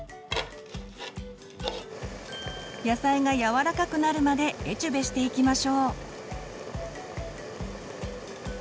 野菜がやわらかくなるまでエチュベしていきましょう。